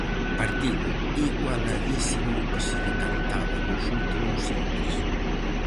Partido igualadísimo que se decantaba nos últimos intres.